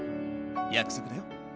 約束だよ。